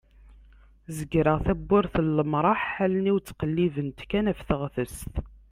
zegreɣ tawwurt n lemraḥ allen-iw ttqellibent kan ɣef teɣtest